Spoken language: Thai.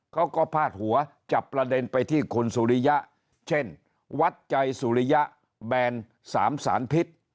พาดหัวจับประเด็นไปที่คุณสุริยะเช่นวัดใจสุริยะแบน๓สารพิษ